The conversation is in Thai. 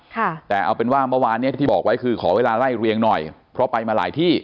ค่ะแต่เอาเป็นว่าเมื่อวานเนี้ยที่บอกไว้คือขอเวลาไล่เรียงหน่อยเพราะไปมาหลายที่